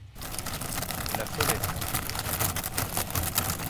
La Follette.